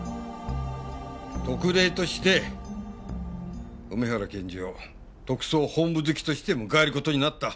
特例として梅原検事を特捜本部付きとして迎える事になった。